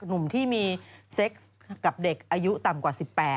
หนุ่มที่มีเซ็กซ์กับเด็กอายุต่ำกว่า๑๘